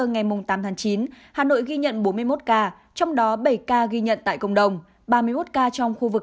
ngày tám tháng chín hà nội ghi nhận bốn mươi một ca trong đó bảy ca ghi nhận tại cộng đồng ba mươi một ca trong khu vực